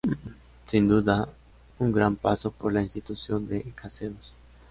Sin duda, un gran paso por la institución de Caseros.